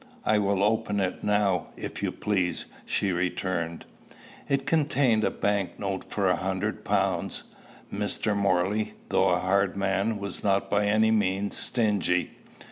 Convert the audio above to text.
"I will open it now, if you please," she returned. It contained a bank note for a hundred pounds. Mr. Morley, though a hard man, was not by any means stingy.